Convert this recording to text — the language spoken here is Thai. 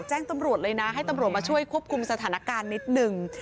แจ้งตำรวจเลยนะให้ตำรวจมาช่วยควบคุมสถานการณ์นิดหนึ่ง